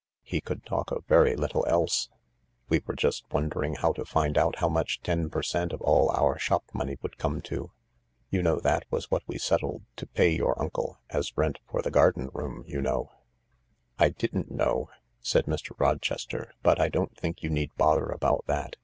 He could talk of very little else," " We were just wondering how to find out how much ten per cent, of all our shop money would come to. You know that was what we settled to pay your uncle— as rent for the garden room, you know." THE LARK " I didn't know," said Mr. Rochester, " but I don't think you need bother about that.